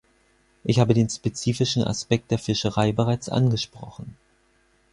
Ich habe den spezifischen Aspekt der Fischerei bereits angesprochen.